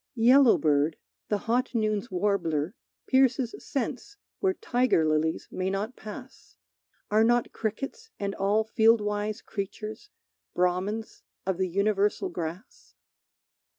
Yellowbird, the hot noon's warbler, pierces Sense where tiger lilies may not pass. Are not crickets and all field wise creatures Brahmins of the universal grass?